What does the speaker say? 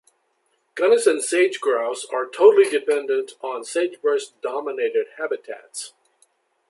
Gunnison sage-grouse are totally dependent on sagebrush-dominated habitats.